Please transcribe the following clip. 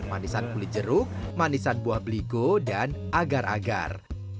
manisan kulit jeruk manisan buah bligo dan agar agar